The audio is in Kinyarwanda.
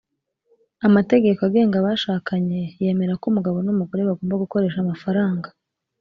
amategeko agenga abashakanye yemera ko umugabo n’umugore bagomba gukoresha amafaranga,